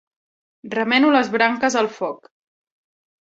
Remeno les branques al foc.